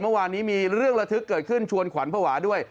เมื่อวานนี้มีเรื่องระทึกเกิดขึ้นชวนขวัญภาวะด้วย